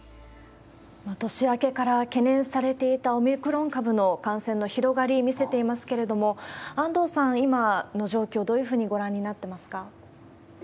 年明けから懸念されていたオミクロン株の感染の広がり見せていますけれども、安藤さん、今の状況、どういうふうにご覧になっていますか？